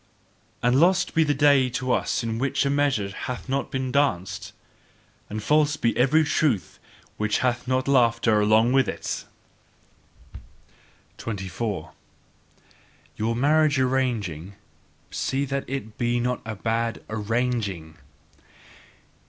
And lost be the day to us in which a measure hath not been danced. And false be every truth which hath not had laughter along with it! 24. Your marriage arranging: see that it be not a bad ARRANGING!